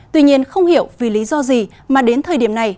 tuy nhiên không hiểu vì lý do gì mà đến thời điểm này